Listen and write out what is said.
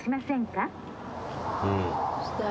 うん。